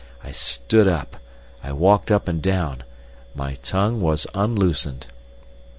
I stood up, I walked up and down; my tongue was unloosened.